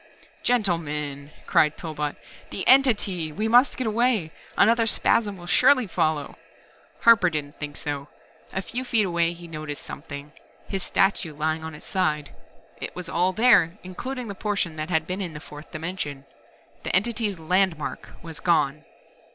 _" "Gentlemen," cried Pillbot. "The entity we must get away. Another spasm will surely follow " Harper didn't think so. A few feet away he had noticed something his statue lying on its side. It was all there, including the portion that had been in the fourth dimension. The Entity's "landmark" was gone.